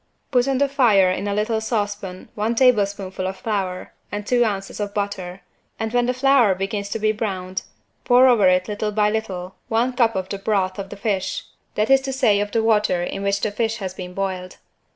Put on the fire in a little saucepan one teaspoonful of flour and two ounces of butter, and when the flour begins to be browned, pour over it little by little one cup of the broth of the fish, that is to say of the water in which the fish has been boiled.